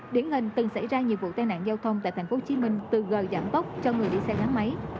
điển hình từng xảy ra nhiều vụ tai nạn giao thông tại tp hcm từ gờ giảm tốc cho người đi xe gắn máy